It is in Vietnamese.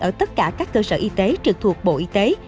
ở tất cả các cơ sở y tế trực thuộc bộ y tế